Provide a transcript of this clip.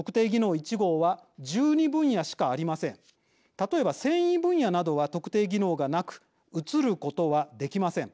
例えば繊維分野などは特定技能がなく移ることはできません。